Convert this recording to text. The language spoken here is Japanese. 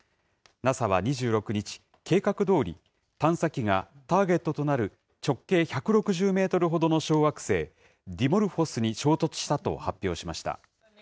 ＮＡＳＡは２６日、計画どおり、探査機がターゲットとなる直径１６０メートルほどの小惑星ディモルフォスに衝突したと発表しました。